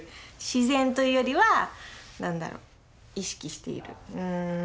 自然というよりは何だろう意識している。